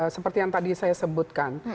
seperti yang tadi saya sebutkan